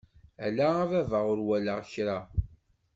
Ala a baba ur walaɣ kra!